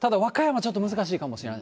ちょっと難しいかもしれない。